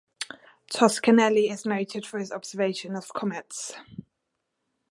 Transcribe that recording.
Toscanelli is noted for his observations of comets.